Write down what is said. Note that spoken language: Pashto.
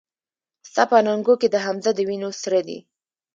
ستا په اننګو کې د حمزه د وينو سره دي